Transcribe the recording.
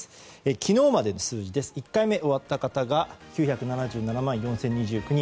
昨日までの数字ですが１回目終わった方が９７７万４０２９人。